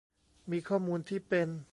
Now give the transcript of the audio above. มีข้อมูลที่เป็น